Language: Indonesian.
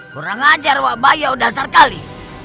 kurang ajar wak bayau dasarkali